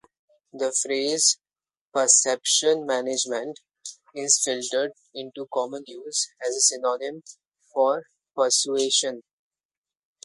The phrase "perception management" is filtering into common use as a synonym for "persuasion".